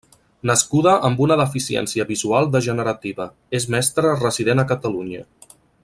Nascuda amb una deficiència visual degenerativa, és mestra resident a Catalunya.